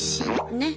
ねっ。